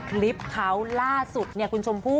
คลิปเขาล่าสุดเนี่ย